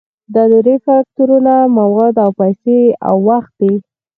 دا درې فکتورونه مواد او پیسې او وخت دي.